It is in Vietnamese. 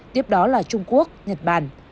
tiếp đó là trung quốc nhật bản